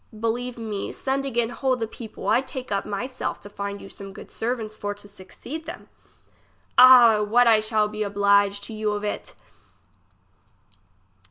Believe me, send again whole the people ; I take upon my self to find you some good servants for to succeed them. Ah ! what I shall be oblige to you of it